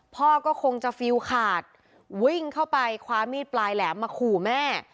พ่อก็คงจะฟิลขาดวิ่งเข้าไปคว้ามีดปลายแหลมมาขู่แม่